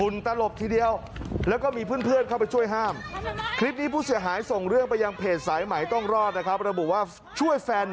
มาแล้วมาแล้ว